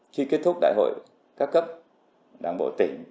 khi kết thúc đại hội các cấp đảng bộ tỉnh